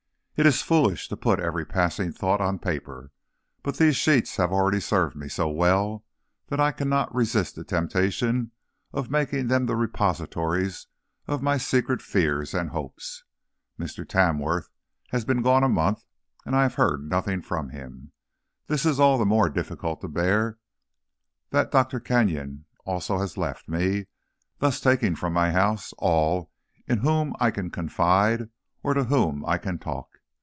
It is foolish to put every passing thought on paper, but these sheets have already served me so well that I cannot resist the temptation of making them the repositories of my secret fears and hopes. Mr. Tamworth has been gone a month, and I have heard nothing from him. This is all the more difficult to bear that Dr. Kenyon also has left me, thus taking from my house all in whom I can confide or to whom I can talk.